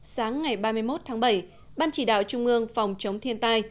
sáng ngày ba mươi một tháng bảy ban chỉ đạo trung ương phòng chống thiên tai